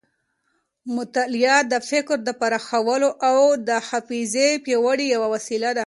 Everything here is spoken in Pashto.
مطالعه د فکر د پراخولو او حافظې د پیاوړتیا یوه وسیله ده.